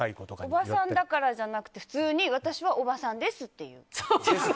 おばさんだからじゃなくて普通に私はおばさんですって言う。